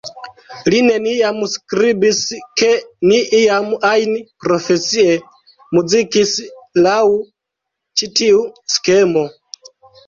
Li neniam skribis, ke oni iam ajn profesie muzikis laŭ ĉi tiu skemo.